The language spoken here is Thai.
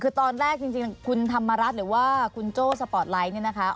คือตอนแรกจริงคุณธรรมรัฐหรือว่าคุณโจ้สปอร์ตไลท์เนี่ยนะคะ